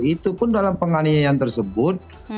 itu pun dalam penganiayaan tersebut